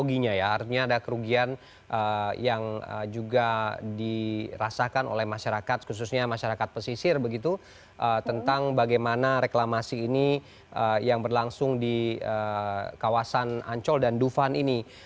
ini kemudian ada yang berlangsung di kawasan ancol dan dufan ini